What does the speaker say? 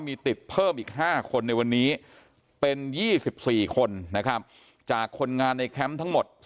มีติดเพิ่มอีก๕คนในวันนี้เป็น๒๔คนนะครับจากคนงานในแคมป์ทั้งหมด